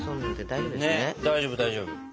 大丈夫大丈夫。